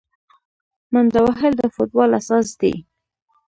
منډه وهل د فوټبال اساس دی.